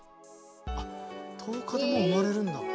あっ１０日でもう生まれるんだ。